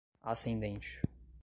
ascendente